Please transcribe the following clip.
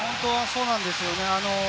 そうなんですよね。